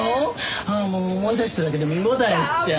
ああもう思い出しただけで身もだえしちゃう。